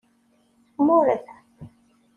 Mured.